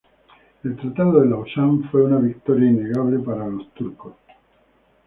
El Tratado de Lausana fue una victoria innegable para los turcos.